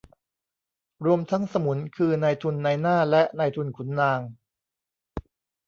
รวมทั้งสมุน คือ นายทุนนายหน้าและนายทุนขุนนาง